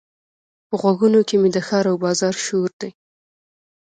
په غوږونو کې مې د ښار او بازار شور دی.